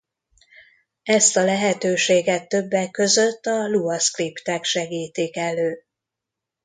Ezt a lehetőséget többek között a Lua scriptek segítik elő.